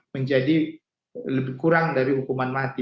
menjadi lebih kurang dari hukuman mati